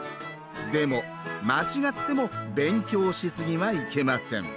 でも間違っても勉強しすぎはいけません。